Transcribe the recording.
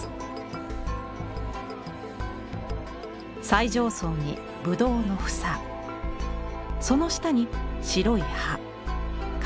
最上層にぶどうの房その下に白い葉髪の毛